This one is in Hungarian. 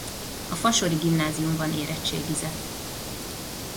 A Fasori Gimnáziumban érettségizett.